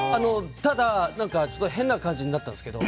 ただ、ちょっと変な感じになったんですけど。